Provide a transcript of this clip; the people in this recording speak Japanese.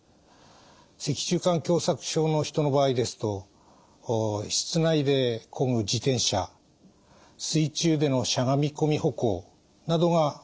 脊柱管狭さく症の人の場合ですと室内でこぐ自転車水中でのしゃがみこみ歩行などがおすすめです。